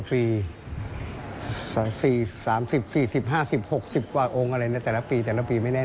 คุณผู้ชมฟังเสียงเจ้าอาวาสกันหน่อยค่ะ